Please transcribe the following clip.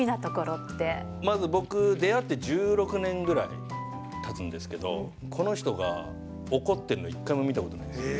まず僕、出会って１６年ぐらいたつんですけど、この人が怒ってるの、一回も見たことないです。